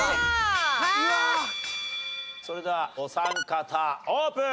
それではお三方オープン。